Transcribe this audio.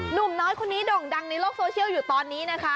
หนุ่มน้อยคนนี้โด่งดังในโลกโซเชียลอยู่ตอนนี้นะคะ